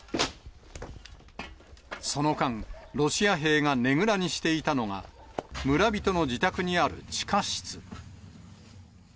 その間、ロシア兵がねぐらにしていたのが、村人の自宅にある地下室。